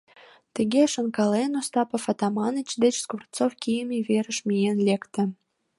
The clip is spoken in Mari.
Тыге шонкален, Остапов Атаманыч ден Скворцов кийыме верыш миен лекте.